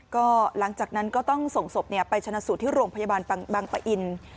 ก็หลังจากนั้นก็ต้องส่งศพไปชนะสูตรที่โรงพยาบาลบางปะอิน